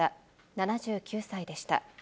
７９歳でした。